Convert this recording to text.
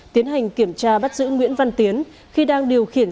tiến hành kiểm tra bắt giữ nguyễn văn tiến khi đang điều khiển